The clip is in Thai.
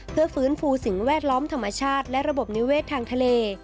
เพื่อฟื้นฟูสิ่งแวดล้อมธรรมชาติและระบบนิเวศทางทะเล